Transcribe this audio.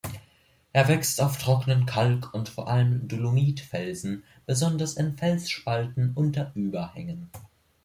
Er wächst auf trockenen Kalk- und vor allem Dolomit-Felsen, besonders in Felsspalten unter Überhängen.